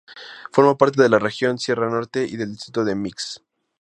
Forma parte de la región Sierra Norte y del distrito de Mixe.